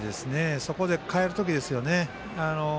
そこで帰る時ですよね。